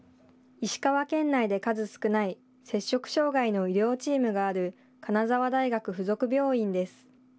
石川県内で数少ない摂食障害の医療チームがある金沢大学附属病院です。